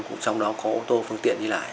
cũng trong đó có ô tô phương tiện đi lại